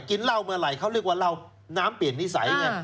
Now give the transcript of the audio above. กินเหล้าเมื่อไหร่เขาเรียกว่าเหล้าน้ำเปลี่ยนนิสัยไง